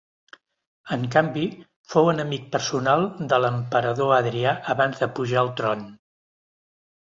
En canvi fou enemic personal de l'emperador Adrià abans de pujar al tron.